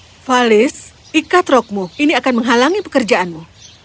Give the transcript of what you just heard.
oh valis ikat rokmu ini akan menghalangi pekerjaanmu